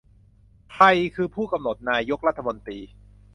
ใครคือผู้กำหนดนายกรัฐมนตรี